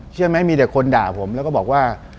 เชื่อไหมมีแต่คนด่าผมแล้วก็บอกว่า